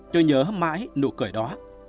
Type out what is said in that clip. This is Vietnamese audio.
tôi nhớ mãi nụ cười đó